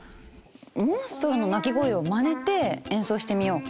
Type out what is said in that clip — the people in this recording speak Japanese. モンストロの鳴き声をまねて演奏してみよう。